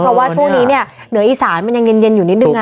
เพราะว่าช่วงนี้เนี่ยเหนืออีสานมันยังเย็นอยู่นิดนึง